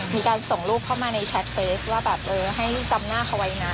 มีการส่งรูปเข้ามาในแชทเฟสว่าแบบเออให้จำหน้าเขาไว้นะ